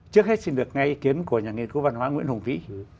trước hết xin được ngay ý kiến của nhà nghiên cứu văn hóa nguyễn hùng vĩ